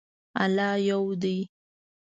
الله یو دی